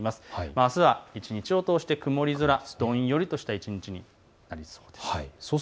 あすは一日を通して曇り空、どんよりとした一日になりそうです。